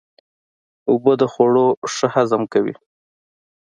اوبه د خوړو ښه هضم کوي.